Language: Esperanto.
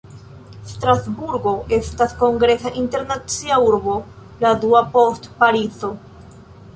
Strasburgo estas kongresa internacia urbo, la dua post Parizo.